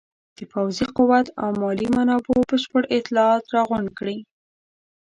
د پوځي قوت او مالي منابعو بشپړ اطلاعات راغونډ کړي.